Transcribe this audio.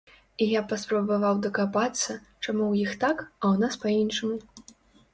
І я паспрабаваў дакапацца, чаму ў іх так, а ў нас па-іншаму.